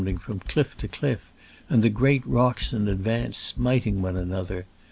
rebounding from cliff to cliff, and the great rocks in advance smiting one an other.